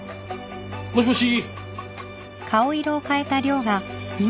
もしもし？